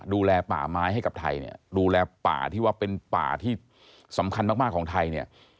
ดูแลป่าไม้ให้กับไทยเนี่ยดูแลป่าที่ว่าเป็นป่าที่สำคัญมากมากของไทยเนี่ย